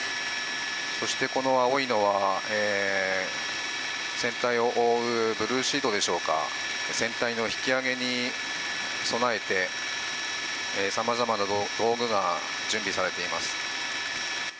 そしてこの青いのは、船体を覆うブルーシートでしょうか、船体の引き揚げに備えて、さまざまな道具が準備されています。